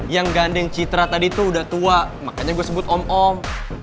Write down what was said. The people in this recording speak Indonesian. yang gandeng citra tadi tuh udah tua makanya gue sebut om om